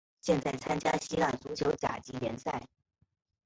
现在参加希腊足球甲级联赛。